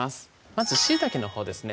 まずしいたけのほうですね